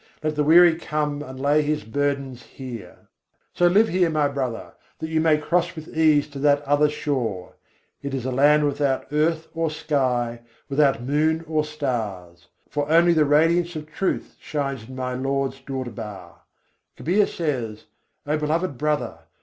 Let the weary come and lay his burdens here! So live here, my brother, that you may cross with ease to that other shore. It is a land without earth or sky, without moon or stars; For only the radiance of Truth shines in my Lord's Durbar. Kabîr says: "O beloved brother!